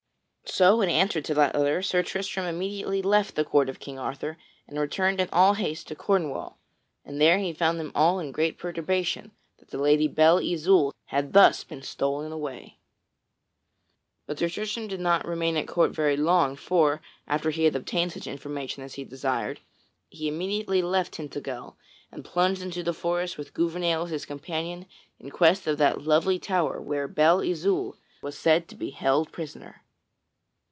So in answer to that letter, Sir Tristram immediately left the court of King Arthur and returned in all haste to Cornwall, and there he found them all in great perturbation that the Lady Belle Isoult had thus been stolen away. But Sir Tristram did not remain at court very long for, after he had obtained such information as he desired, he immediately left Tintagel and plunged into the forest with Gouvernail as his companion in quest of that lonely tower where Belle Isoult was said to be held prisoner.